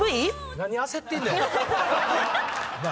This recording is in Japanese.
何焦ってんねん。なあ？